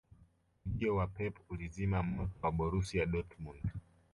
ujio wa pep ulizima moto wa borusia dortmund